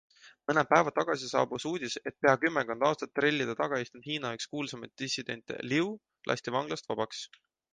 Mõned päevad tagasi saabus uudis, et pea kümmekond aastat trellide taga istunud Hiina üks kuulsaimaid dissidente Liu lasti vanglast vabaks.